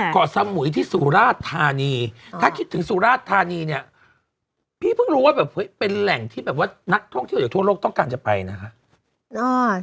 เกาะสมุยที่สุราชธานีถ้าคิดถึงสุราชธานีเนี่ยพี่เพิ่งรู้ว่าแบบเฮ้ยเป็นแหล่งที่แบบว่านักท่องเที่ยวจากทั่วโลกต้องการจะไปนะคะ